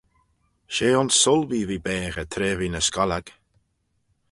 she ayns Sulby v'eh baghey tra v'eh ny scollag